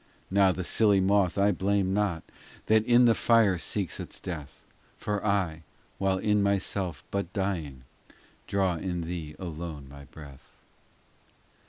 VI Now the silly moth I blame not, That in the fire seeks its death ; For I, while in myself but dying, Draw in thee alone my breath.